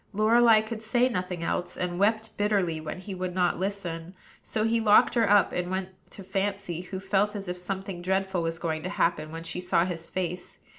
Lorelei could say nothing else, and wept bitterly when he would not listen; so he locked her up and went to Fancy, who felt as if something dreadful was going to happen when she saw his face.